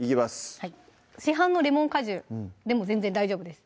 はい市販のレモン果汁でも全然大丈夫です